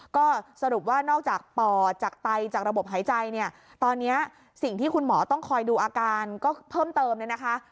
ก็สรุปว่านอกจากปอดจากไตจากระบบหายใจเนี่ยตอนนี้สิ่งที่คุณหมอต้องคอยดูอาการก็เพิ่มเติมเนี่ยนะคะ